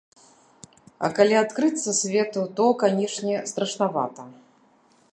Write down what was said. А калі адкрыцца свету, то, канечне, страшнавата.